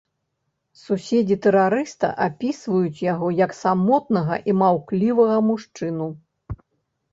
Суседзі тэрарыста апісваюць яго як самотнага і маўклівага мужчыну.